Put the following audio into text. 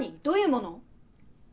どういうもの？